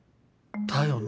だよね？